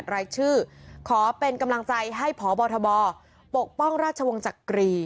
รายชื่อขอเป็นกำลังใจให้พบทบปกป้องราชวงศ์จักรี